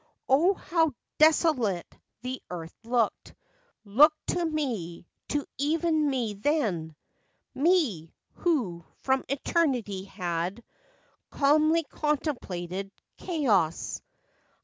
" O, how desolate the earth looked ! Looked to me, to even me, then! Me! who from eternity had Calmly contemplated chaos, 100 FACTS AND FANCIES.